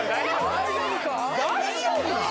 ・大丈夫か？